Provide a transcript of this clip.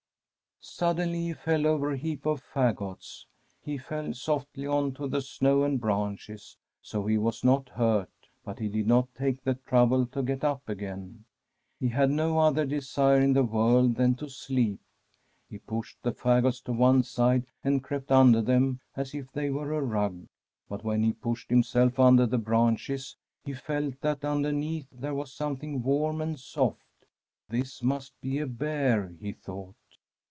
Suddenly he fell over a heap of fagots. He fell softly on to the snow and branches, so he was not hurt, but he did not take the trouble to get up again. He had no other desire in the world than to sleep. He pushed the fagots to one side and crept under them as if they were a rug ; but when he pushed himself under the branches he felt that underneath there was something warm and soft. This must be a bear, he thought.